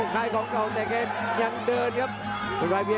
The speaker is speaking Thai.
อย่างการว่าเขาเร่งจริงเลย